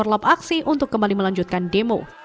berlap aksi untuk kembali melanjutkan demo